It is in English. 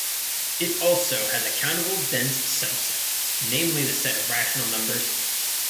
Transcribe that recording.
It also has a countable dense subset, namely the set of rational numbers.